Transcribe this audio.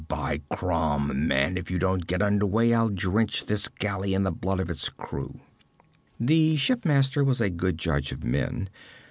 'By Crom, man, if you don't get under way, I'll drench this galley in the blood of its crew!' The shipmaster was a good judge of men.